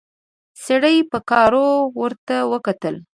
سړي په کاوړ ورته وکتل.